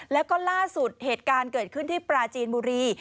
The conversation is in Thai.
แล้วก็ล่าสุดเหตุการณ์เกิดขึ้นที่ปราจีนบุรี